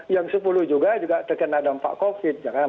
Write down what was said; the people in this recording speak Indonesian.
yang sepuluh juga terkena dampak covid